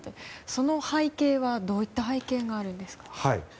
その背景はどういった背景があるんですか？